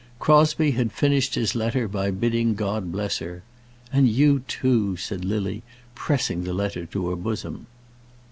Crosbie had finished his letter by bidding God bless her; "And you too," said Lily, pressing the letter to her bosom.